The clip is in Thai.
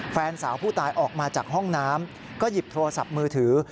แฟนสาวผู้ตายออกมาจากห้องน้ำก็หยิบโทรศัพท์มือถือ